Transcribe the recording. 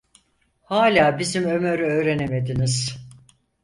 Hâlâ bizim Ömer’i öğrenemediniz.